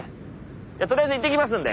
とりあえず行ってきますんで！